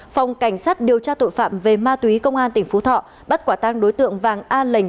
phòng cảnh sát điều tra tội phạm về ma túy công an tỉnh phú thọ bắt quả tang đối tượng vàng a lệnh